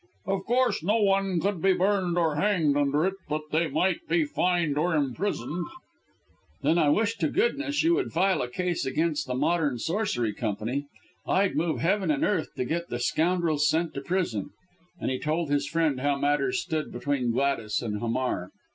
"Of course no one could be burned or hanged under it, but they might be fined or imprisoned." "Then I wish to goodness you would file a case against the Modern Sorcery Company! I'd move heaven and earth to get the scoundrels sent to prison!" And he told his friend how matters stood between Gladys and Hamar.